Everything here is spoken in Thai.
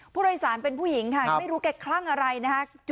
ผู้โดยสารเป็นผู้หญิงค่ะไม่รู้แกคลั่งอะไรนะคะ